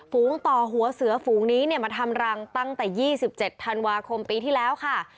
ฝูงต่อหัวเสือฝูงนี้เนี่ยมาทำรังตั้งแต่๒๗ธันวาคมปีที่แล้วค่ะ